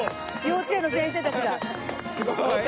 幼稚園の先生たちが。